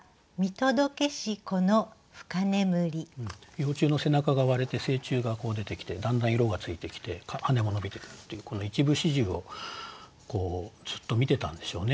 幼虫の背中が割れて成虫が出てきてだんだん色がついてきて羽も伸びてくるっていうこの一部始終をずっと見てたんでしょうね。